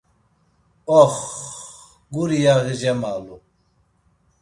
Ox… guri yaği cemalu.